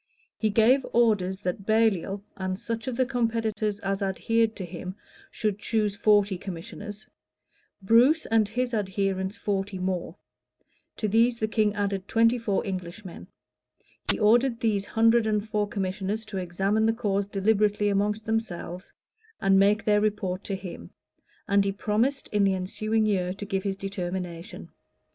He gave orders that Baliol, and such of the competitors as adhered to him should choose forty commissioners; Bruce and his adherents forty more: to these the king added twenty four Englishmen: he ordered these hundred and four commissioners to examine the cause deliberately among themselves, and make their report to him:[*] and he promised in the ensuing year to give his determination.